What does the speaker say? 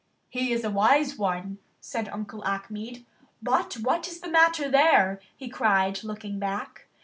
"He is a wise one," said Uncle Achmed, "but what is the matter there?" he cried, looking back.